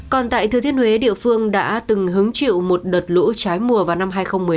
còn tại thừa thiên huế địa phương đã từng hứng chịu một đợt lũ trái mùa vào năm hai nghìn một mươi năm